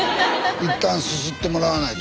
一旦すすってもらわないと。